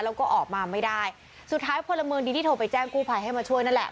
แล้วก็ออกมาไม่ได้สุดท้ายพลเมืองดีที่โทรไปแจ้งกู้ภัยให้มาช่วยนั่นแหละ